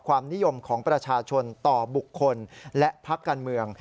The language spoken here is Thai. ความนิยมของประชาชนต่อบุคคลและพักการเมือง